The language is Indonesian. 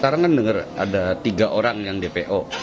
sekarang kan dengar ada tiga orang yang dpo